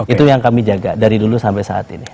itu yang kami jaga dari dulu sampai saat ini